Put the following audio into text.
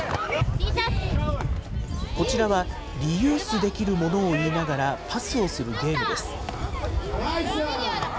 こちらは、リユースできるものを言いながらパスをするゲームです。